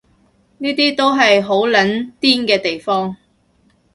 呢啲都係好撚癲嘅地方